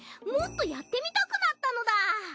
もっとやってみたくなったのだ。